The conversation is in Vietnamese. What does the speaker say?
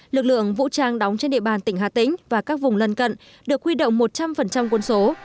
lực lượng vũ trang đóng trên địa bàn tỉnh hà tĩnh và các vùng lân cận được huy động một trăm linh quân số